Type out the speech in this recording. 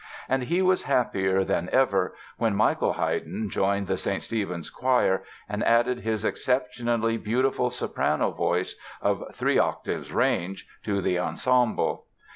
And he was happier than ever when Michael Haydn joined the St. Stephen's choir and added his exceptionally beautiful soprano voice, of three octaves range, to the ensemble.